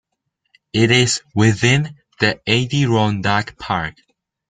It is within the Adirondack Park.